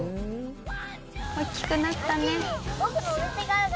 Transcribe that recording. おっきくなったね。